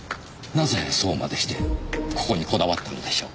なぜそうまでしてここにこだわったのでしょう？